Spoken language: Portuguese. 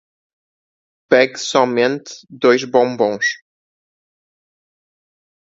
Pegue somente dois bombons .